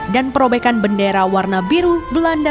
dan perobekan bendera warna biru belanda jawa